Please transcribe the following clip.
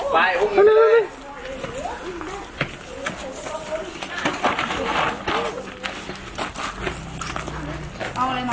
ไปพุ่งอีกเลย